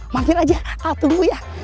mampir aja a tunggu ya